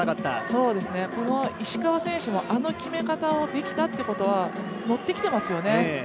この石川選手が、あの決め方をできたということはノッてきていますよね。